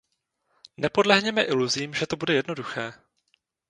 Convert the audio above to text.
Nepodlehněme iluzím, že to bude jednoduché.